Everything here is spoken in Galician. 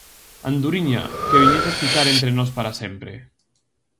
"Anduriña, que viñeches ficar entre nós para sempre".